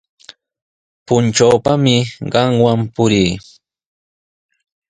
Puntrawpami qamwan purii.